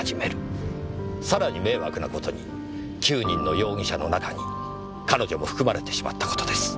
さらに迷惑な事に９人の容疑者の中に彼女も含まれてしまった事です。